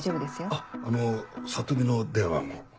あっあの里美の電話番号。